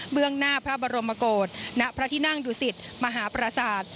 เมืองหน้าพระบรมโกศณพระที่นั่งดุสิตมหาประสาท